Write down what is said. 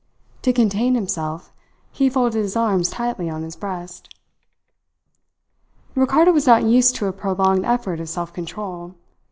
To contain himself he folded his arms tightly on his breast. Ricardo was not used to a prolonged effort of self control.